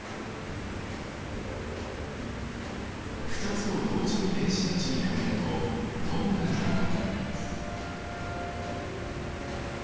２つを同時に電子レンジにかけるとどうなるだろう？